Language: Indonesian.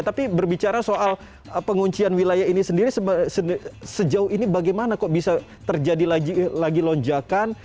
tapi berbicara soal penguncian wilayah ini sendiri sejauh ini bagaimana kok bisa terjadi lagi lonjakan